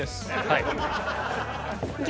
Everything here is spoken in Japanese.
はい。